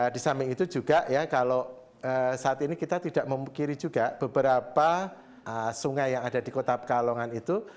di samping itu juga ya kalau saat ini kita tidak memungkiri juga beberapa sungai yang ada di kota pekalongan itu